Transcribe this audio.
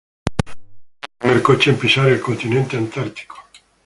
Fue el primer coche en pisar el continente antártico.